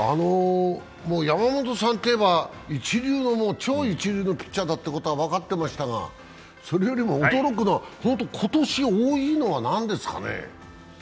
山本さんといえば超一流のピッチャーだというのは分かってましたが、それよりも驚くのは、今年多いのはなんでですかね。